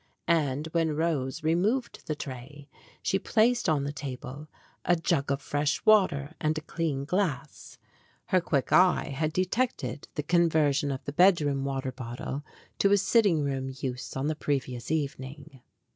And when Rose removed the tray she placed on the table a jug of fresh water and a clean glass; her quick eye had de GREAT POSSESSIONS 9 tected the conversion of the bedroom water bottle to a sitting room use on the previous evening.